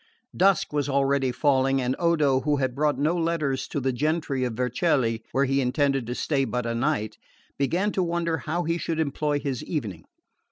Dusk was already falling, and Odo, who had brought no letters to the gentry of Vercelli, where he intended to stay but a night, began to wonder how he should employ his evening.